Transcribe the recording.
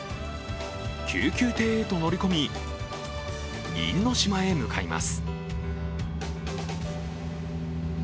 救急艇へと乗り込み因島へ向かいます。